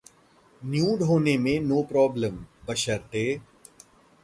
‘nude’ होने में ‘no problem’ बशर्ते..